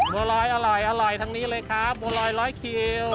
บัวลอยอร่อยทางนี้เลยครับบัวลอย๑๐๐คิ้ว